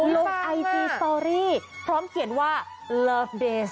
ลงไอจีสตอรี่พร้อมเขียนว่าเลิฟเดส